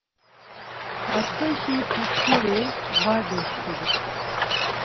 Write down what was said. Atxeşi putkuri var dosǩudu.